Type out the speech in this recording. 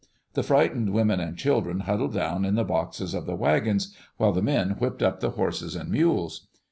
The frightened women and children huddled down in the boxes of the wagons, while the men whipped up the horses and mules.